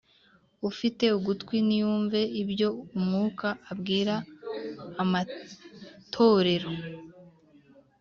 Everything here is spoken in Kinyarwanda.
“Ufite ugutwi niyumve ibyo Umwuka abwira amatorero.